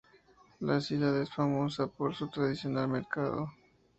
La ciudad es famosa por su tradicional mercado.